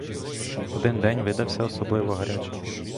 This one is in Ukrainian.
Один день видався особливо гарячим.